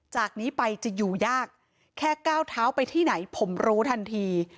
จากนี้ไปจะอยู่ยากแค่ก้าวเท้าไปที่ไหนผมรู้ทันที